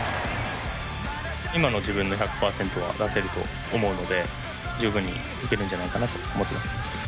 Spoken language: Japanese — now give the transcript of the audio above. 今の自分の１００％は出せると思うので十分にイケるんじゃないかなと思っています。